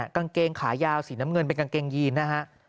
กางเกงขายาวสีน้ำเงินเป็นกางเกงยีนนะฮะ